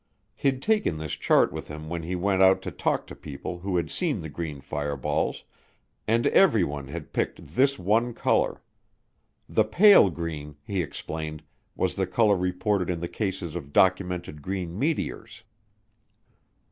He'd taken this chart with him when he went out to talk to people who had seen the green fireballs and everyone had picked this one color. The pale green, he explained, was the color reported in the cases of documented green meteors.